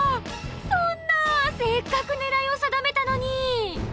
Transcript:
そんなせっかく狙いを定めたのに。